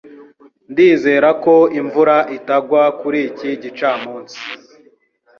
Ndizera ko imvura itagwa kuri iki gicamunsi